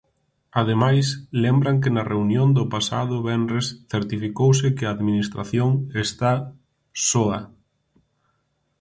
Ademais, lembran que na reunión do pasado venres certificouse que a Administración está "soa".